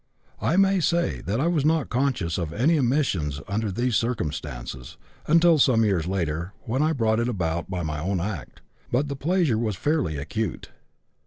I may say that I was not conscious of any emissions under these circumstances (until some years later, when I brought it about by my own act), but the pleasure was fairly acute.